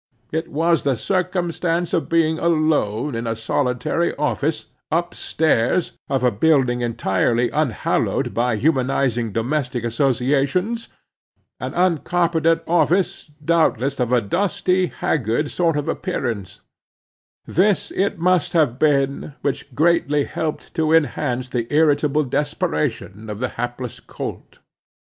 It was the circumstance of being alone in a solitary office, up stairs, of a building entirely unhallowed by humanizing domestic associations—an uncarpeted office, doubtless, of a dusty, haggard sort of appearance;—this it must have been, which greatly helped to enhance the irritable desperation of the hapless Colt.